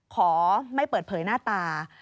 ขอไม่เปิดเผยหน้าตา